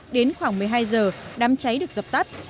đến khoảng một mươi hai giờ đám cháy được dập tắt